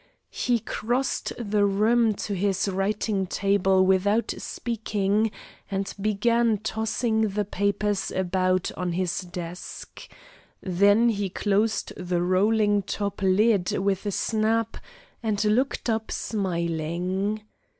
He crossed the room to his writing table without speaking and began tossing the papers about on his desk. Then he closed the rolling top lid with a snap and looked up smiling.